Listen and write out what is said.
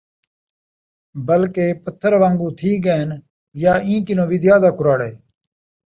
بلکہ پتھر وانگوں تِھی ڳئن یا اِیں کنُوں وِی زیادہ کُراڑے!